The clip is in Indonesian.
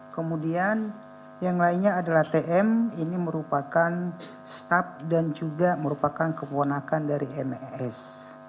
kemudian yang lainnya adalah tm ini merupakan staf dan juga merupakan keponakan dari mes